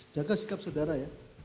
jaga sikap saudara ya